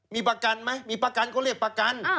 มีประกันไหมมีประกันเขาเรียกประกัน